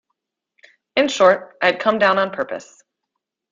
In short, I had come down on purpose.